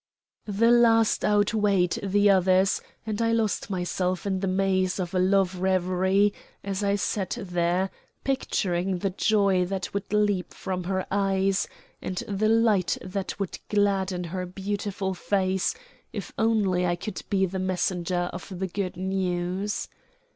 The last outweighed the others, and I lost myself in the maze of a love reverie as I sat there, picturing the joy that would leap from her eyes and the light that would gladden her beautiful face if only I could be the messenger of the good news.